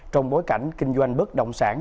trong bối cảnh kinh doanh bất động sản